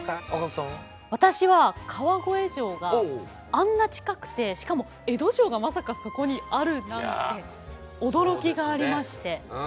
あんな近くてしかも江戸城がまさかそこにあるなんて驚きがありまして。